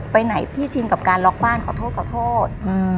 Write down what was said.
ไปไหนพี่ชินกับการล็อกบ้านขอโทษขอโทษ